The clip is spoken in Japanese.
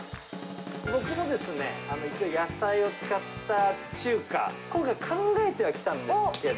僕もですね、一応、野菜を使った中華、今回、考えてはきたんですけど。